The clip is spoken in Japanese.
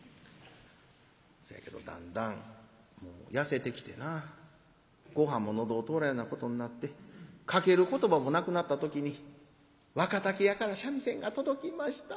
そやけどだんだん痩せてきてなごはんも喉を通らんようなことになってかける言葉もなくなった時に若竹屋から三味線が届きました。